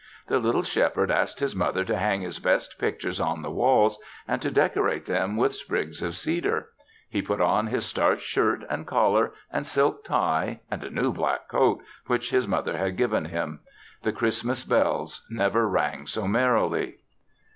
The little Shepherd asked his mother to hang his best pictures on the walls and to decorate them with sprigs of cedar. He put on his starched shirt and collar and silk tie and a new black coat which his mother had given him. The Christmas bells never rang so merrily.